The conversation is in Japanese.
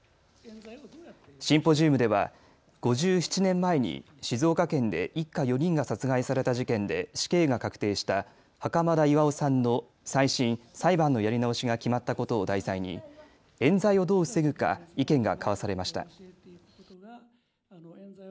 シンポジウムでは５７年前に静岡県で一家４人が殺害された事件で死刑が確定した袴田巌さんの再審・裁判のやり直しが決まったことを題材にえん罪をどう防ぐか意見が交わされました。